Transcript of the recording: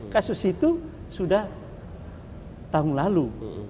kasus itu sudah tahun lalu